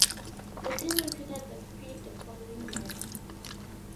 The team repeated the feat the following year.